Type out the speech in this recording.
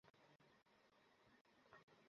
সেখান থেকে বাণিজ্য পণ্য আনবে।